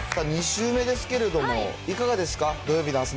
２週目ですけれども、いかがですか。